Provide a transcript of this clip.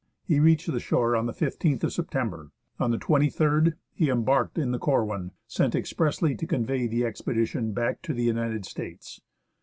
He reached the shore on the 15th of September. On the 23rd he embarked in the Corwm, sent expressly to convey the expedition back to the United States.